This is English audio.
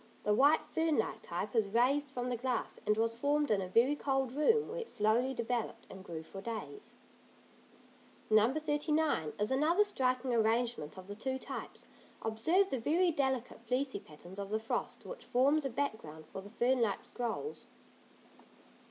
The white fern like type is raised from the glass, and was formed in a very cold room where it slowly developed and grew for days. No. 39 is another striking arrangement of the two types; observe the very delicate fleecy patterns of the frost which forms a background for the fern like scrolls.